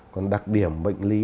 còn đặc điểm bệnh lý